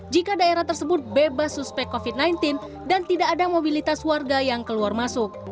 jika daerah tersebut bebas suspek covid sembilan belas dan tidak ada mobilitas warga yang keluar masuk